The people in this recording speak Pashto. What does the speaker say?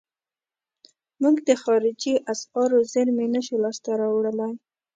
موږ د خارجي اسعارو زیرمې نشو لاس ته راوړلای.